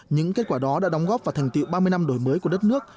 những kết quả đó đã đóng góp vào thành tiệu ba mươi năm đổi mới của đất nước